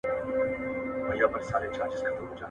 موږ چي غلا شروع کړه، بيا سپوږمۍ راوخته.